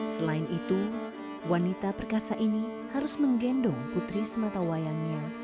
selain itu wanita perkasa ini harus menggendong putri sematawayangnya